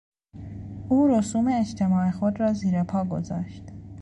او رسوم اجتماع خود را زیرپا گذاشت.